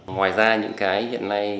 ngoài ra những cái hiện nay